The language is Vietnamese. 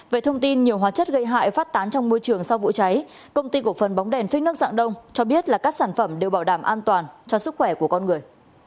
về thông tin nhiều hóa chất gây hại phát tán trong môi trường sau vụ cháy công ty cổ phần bóng đèn phích nước dạng đông cho biết là các sản phẩm đều bảo đảm an toàn cho sức khỏe của con người